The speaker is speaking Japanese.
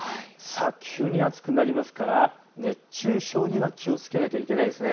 急に暑くなりますから熱中症には気をつけなきゃいけないですね。